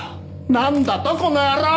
なんだとこの野郎！